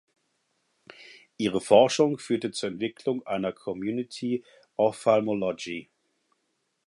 Ihre Forschung führte zur Entwicklung einer Community Ophthalmology.